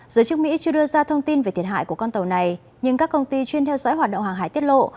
giới chức mỹ chưa đưa ra thông tin về thiệt hại của con tàu này nhưng các công ty chuyên theo dõi hoạt động hàng hải tiết lộ